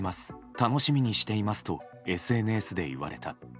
楽しみにしていますとＳＮＳで言われた。